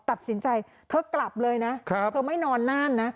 ตัดสินใจเธอกลับเลยนะเธอไม่นอนน่านนะ